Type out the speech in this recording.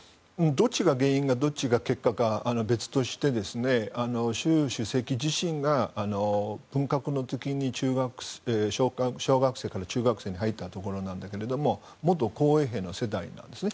どっちが原因でどっちが結果かは別として習主席自身が文革の時に小学生から中学校に入ったところなんだけど元紅衛兵の世代なんですね。